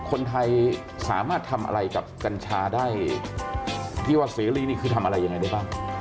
คนไทยสามารถทำอะไรกับกัญชาได้ที่ว่าเสรีนี่คือทำอะไรยังไงได้บ้าง